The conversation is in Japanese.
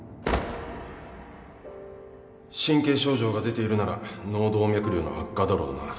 神経症状が出ているなら脳動脈瘤の悪化だろうな。